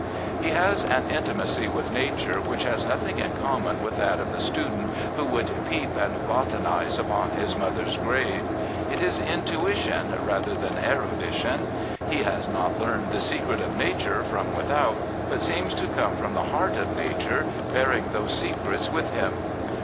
He has an intimacy with Nature which has nothing in common with that of the student who would " peep and botanise upon his mother's grave." It is intuition rather than erudition. He has not learned the secrets of Nature from without, but seems to come from the heart of Nature bearing those secrets with him.